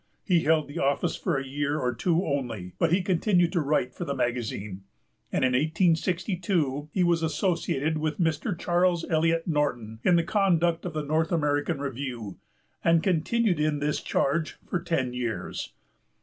He held the office for a year or two only; but he continued to write for the magazine, and in 1862 he was associated with Mr. Charles Eliot Norton in the conduct of The North American Review, and continued in this charge for ten years.